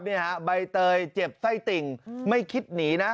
นี่ฮะใบเตยเจ็บไส้ติ่งไม่คิดหนีนะ